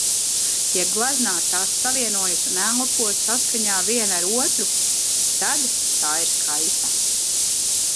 Ja gleznā tās savienojas un elpo saskaņā viena ar otru, tad tā ir skaista.